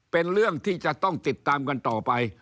เป็นเรื่องที่จะต้องติดตามกันต่อไป